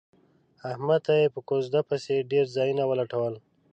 احمد ته یې په کوزده پسې ډېر ځایونه ولټول.